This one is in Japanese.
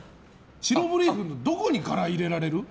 白ブリーフのどこに柄入れられる？